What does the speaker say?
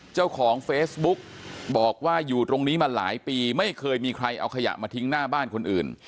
เจ้าของเฟซบุ๊กบอกว่าอยู่ตรงนี้มาหลายปีไม่เคยมีใครเอาขยะมาทิ้งหน้าบ้านคนอื่น